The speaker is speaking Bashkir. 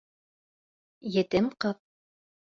— Етем ҡыҙ.